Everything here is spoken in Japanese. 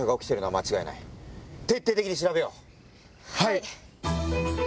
はい。